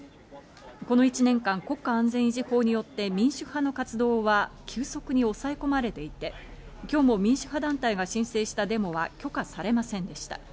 この１年間、国家安全維持法によって民主派の活動は急速に抑え込まれていて、今日も民主派団体が申請したデモは許可されませんでした。